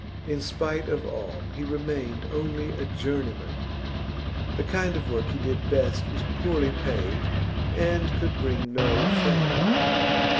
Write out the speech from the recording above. In spite of all, he remained only a journeyman. The kind of work he did best was poorly paid, and could bring no fame.